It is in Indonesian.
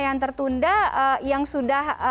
yang tertunda yang sudah